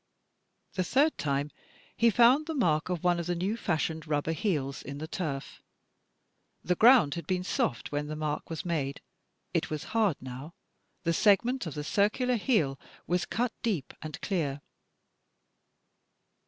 The third time he fotmd the mark of one of the new fashioned rubber heels in the turf. The ground had been soft when the mark was made — it was hard now. The segment of the circular heel was cut deep and clear.